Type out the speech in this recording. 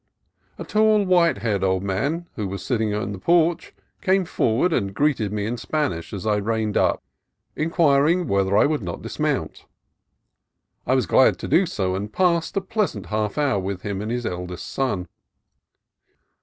A tall, white haired old man who was sitting in the porch came forward and greeted me in Spanish as I reined up, inquiring whether I would not dismount. I was glad to do so, and passed a pleasant half hour with him and his eldest son.